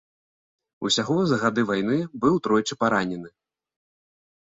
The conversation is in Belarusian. Усяго за гады вайны быў тройчы паранены.